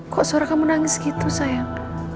kok suara kamu menangis gitu sayang